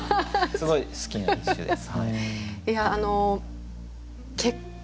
すごい好きな一首です。